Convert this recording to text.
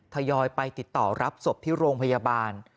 ทยอยไปติดต่อรับศพที่โรงพยาบาล